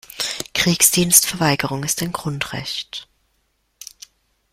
Kriegsdienstverweigerung ist ein Grundrecht.